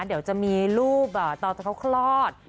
เดี๋ยวจะมีรูปตอนที่เขาคลอด